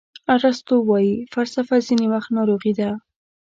ارسطو وایي فلسفه ځینې وخت ناروغي ده.